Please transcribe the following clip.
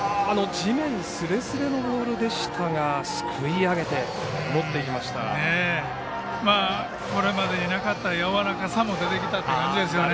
地面すれすれのボールでしたがまあ、これまでなかった柔らかさも出てきたということですね。